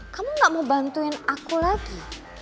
kamu gak mau bantuin aku lagi